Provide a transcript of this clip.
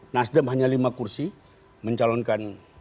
nasdem hanya lima kursi mencalonkan